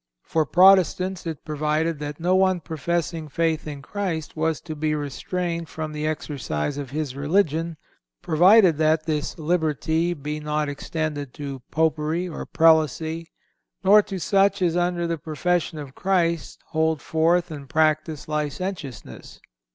For Protestants it provided that no one professing faith in Christ was to be restrained from the exercise of his religion, "provided that this liberty be not extended to Popery, or Prelacy, nor to such as under the profession of Christ, hold forth and practice licentiousness.